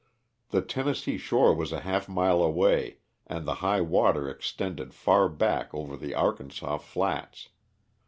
The Tennessee shore was a half mile away and the high water extended far back over the Arkansas flats.